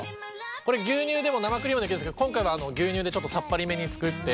これ牛乳でも生クリームでもいけるんですけど今回は牛乳でちょっとさっぱりめに作って。